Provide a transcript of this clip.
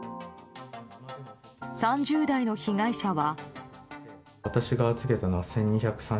３０代の被害者は。